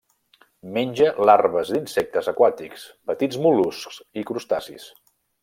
Menja larves d'insectes aquàtics, petits mol·luscs i crustacis.